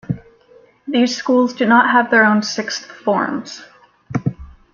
These schools do not have their own sixth forms.